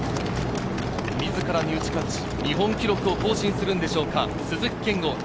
自らに打ち勝ち日本記録を更新するんでしょうか、鈴木健吾。